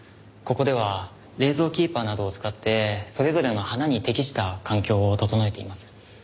ここでは冷蔵キーパーなどを使ってそれぞれの花に適した環境を整えています。